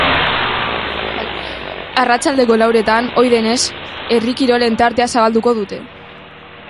Arratsaldeko lauretan, ohi denez, herri kirolen tartea zabalduko dute.